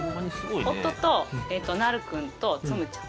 夫となる君とつむちゃん。